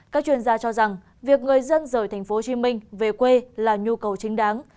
các chuyên gia cho rằng việc người dân rời tp hcm về quê là nhu cầu chính đáng